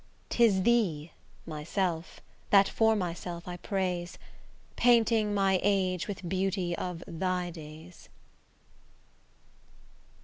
'Tis thee, myself, that for myself I praise, Painting my age with beauty of thy days.